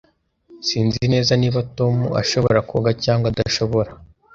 Sinzi neza niba Tom ashobora koga cyangwa adashobora.